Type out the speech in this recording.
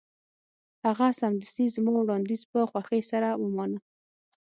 هغه سمدستي زما وړاندیز په خوښۍ سره ومانه